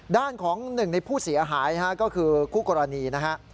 ด้านของหนึ่งในผู้เสียหายก็คือคู่กรณีนะฮะ